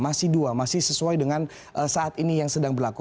masih dua masih sesuai dengan saat ini yang sedang berlaku